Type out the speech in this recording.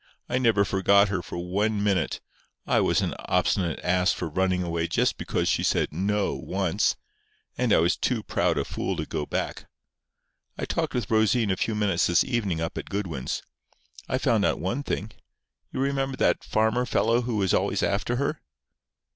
I never forgot her for one minute. I was an obstinate ass for running away just because she said 'No' once. And I was too proud a fool to go back. I talked with Rosine a few minutes this evening up at Goodwin's. I found out one thing. You remember that farmer fellow who was always after her?"